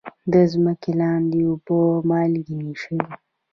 د ځمکې لاندې اوبه مالګینې شوي؟